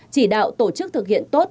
chỉ đạo tổ chức thực hiện tốt